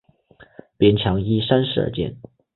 边墙依山势而建。